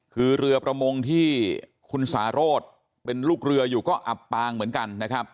คือเรือประมงที่คุณสาโรธเป็นลูกเรืออยู่ก็อับปางเหมือนกันนะครับ